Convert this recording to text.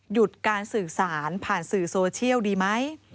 หยุดการสื่อสารผ่านสื่อโซเชียลดีไหม